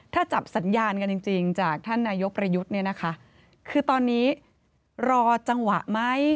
ถ้าจับสัญญากันจริงจริงจากท่านนายกประยุทธ์คือตอนนี้รอจังหวะไหม